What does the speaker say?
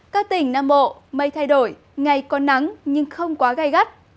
các tỉnh nam bộ mây thay đổi ngày có nắng nhưng không quá gai gắt